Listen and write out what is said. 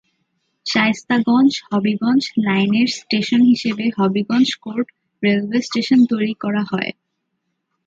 শায়েস্তাগঞ্জ -হবিগঞ্জ লাইনের স্টেশন হিসেবে Habiganj court railway station তৈরি করা হয়ে।